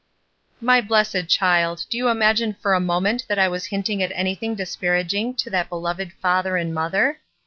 ''My blessed child, do you imagine for a moment that I was hinting at anything dis paraging to that beloved father and mother?